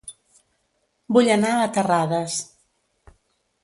Vull anar a Terrades